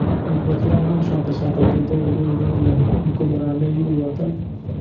اکبرجان هم شاته شاته کېده او ورو ورو له حکمرانۍ ووتل.